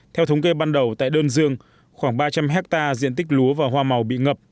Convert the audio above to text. theo thống kê ban đầu tại đơn dương khoảng ba trăm linh hectare diện tích lúa và hoa màu bị ngập